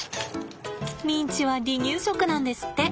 ミンチは離乳食なんですって。